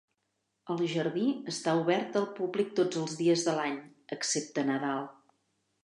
El jardí està obert al públic tots els dies de l'any, excepte Nadal.